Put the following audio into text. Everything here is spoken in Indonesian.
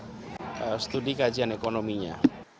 sekarang kita sedang mengkompilasi hasil studi kajian ekonominya